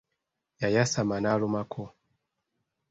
Yayasama n'alumako.